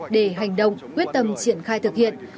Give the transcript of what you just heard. để hành động quyết tâm triển khai thực hiện